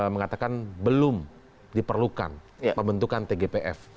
mengatakan belum diperlukan pembentukan tgpf